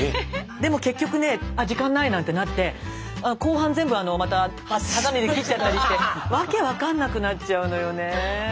でも結局ねあ時間ないなんてなって後半全部またはさみで切っちゃったりして訳分かんなくなっちゃうのよね。